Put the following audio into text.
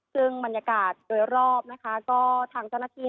ซึ่งบรรยากาศโดยรอบนะคะก็ทางเจ้าหน้าที่